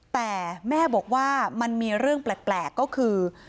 แต่แม่บอกว่ามันมีเรื่องแปลกก็คือ